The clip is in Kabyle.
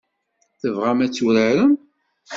Tebɣam ad t-turarem?